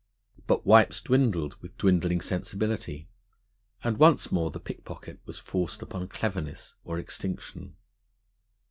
But wipes dwindled, with dwindling sensibility; and once more the pickpocket was forced upon cleverness or extinction.